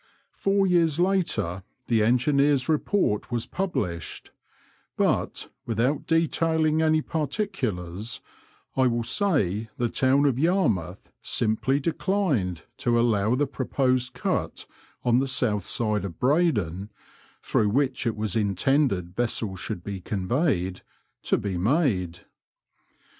Four years later the engineer's report was pub lished, but, without detailing any particulars, I will say the town of Yarmouth simply declined to allow the proposed cut on the south side of Breydon (through which it was intended vessels should be conveyed) to be made.